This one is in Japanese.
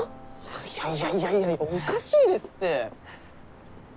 いやいやいやいやおかしいですって。